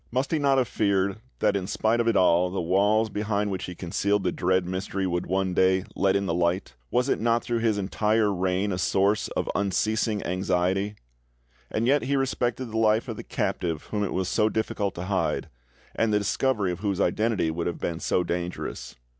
Must he not have feared that in spite of it all the walls behind which he concealed the dread mystery would one day let in the light? Was it not through his entire reign a source of unceasing anxiety? And yet he respected the life of the captive whom it was so difficult to hide, and the discovery of whose identity would have been so dangerous.